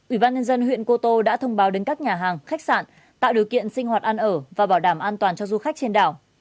ủy ban nhân dân huyện cô tô đã thông báo đến các nhà hàng khách sạn tạo điều kiện sinh hoạt ăn ở và bảo đảm an toàn cho du khách trên đảo